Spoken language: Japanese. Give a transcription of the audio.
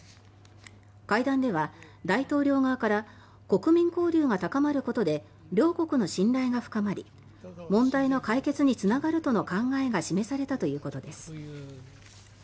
会談では、大統領側から国民交流が高まることで両国の信頼が深まり問題の解決につながるとの考えが示されたということです。